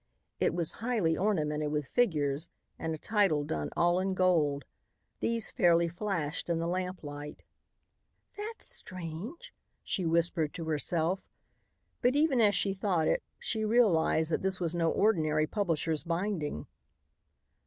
It was highly ornamented with figures and a title done all in gold. These fairly flashed in the lamplight. "That's strange!" she whispered to herself. But even as she thought it, she realized that this was no ordinary publishers' binding.